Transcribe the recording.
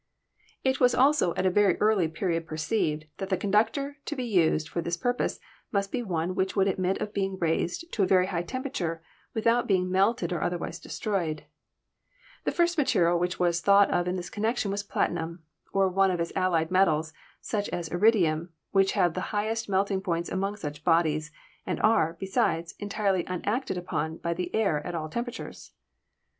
It was also at a HISTORY OF ELECTRIC LIGHTING 233 very early period perceived that the conductor to be used for this purpose must be one which would admit of being raised to a very high temperature without being melted or otherwise destroyed. The first material which was thought of in this connection was platinum, or one of its allied metals, such as iridium, which have the highest melting points among such bodies, and are, besides, en tirely unacted upon by the air at all temperatures.